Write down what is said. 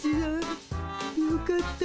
よかった。